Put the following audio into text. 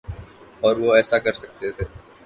اور وہ ایسا کر سکتے تھے۔